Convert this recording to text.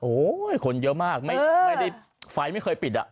โอ้โหคนเยอะมากไม่ได้ไฟไม่เคยปิดอ่ะ